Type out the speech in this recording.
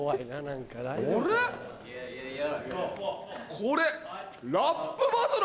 これ。